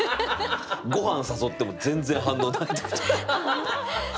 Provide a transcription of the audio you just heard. ごはん誘っても全然反応ないとか。